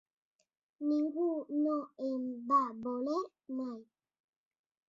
Ningú no em va voler mai.